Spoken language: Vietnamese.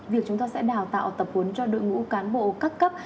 việc chúng ta sẽ đào tạo tập huấn cho đội ngũ cán bộ các cấp